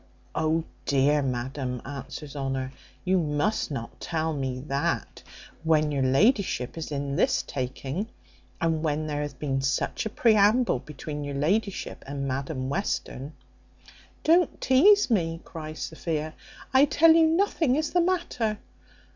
O dear Madam!" answers Honour, "you must not tell me that, when your ladyship is in this taking, and when there hath been such a preamble between your ladyship and Madam Western." "Don't teaze me," cries Sophia; "I tell you nothing is the matter.